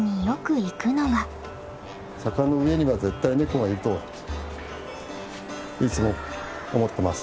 坂の上には絶対ネコがいるといつも思ってます。